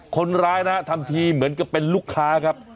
คนร้ายนะทำทีเหมือนกับเป็นลูกค้าครับ